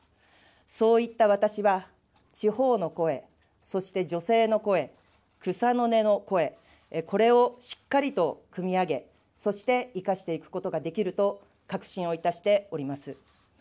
そういった私は、地方の声、そして女性の声、草の根の声、これをしっかりとくみ上げ、そして生かしていくことができると確信をいたしております。